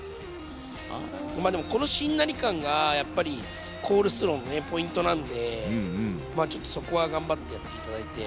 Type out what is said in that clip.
でもこのしんなり感がやっぱりコールスローのねポイントなんでちょっとそこは頑張ってやって頂いて。